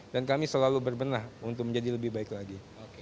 dan kami selalu berbenah untuk menjadi lebih baik lagi